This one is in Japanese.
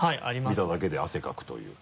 見ただけで汗かくという。